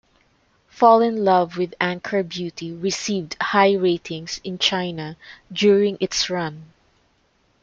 "Fall in Love with Anchor Beauty" received high ratings in China during its run.